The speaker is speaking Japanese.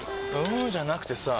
んーじゃなくてさぁ